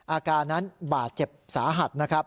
อาการนั้นบาดเจ็บสาหัสนะครับ